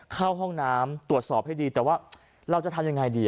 เข้าห้องน้ำตรวจสอบให้ดีแต่ว่าเราจะทำยังไงดี